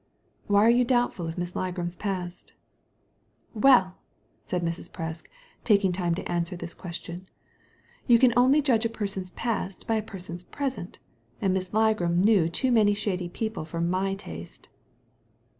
" Why are you doubtful of Miss Ligram's past ?" "Well!" said Mrs, Presk, taking time to answer this question, "you can only judge a person's past by a person's present, and Miss Ligram knew too many shady people for my taste."